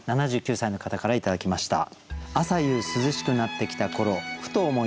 ７９歳の方から頂きました。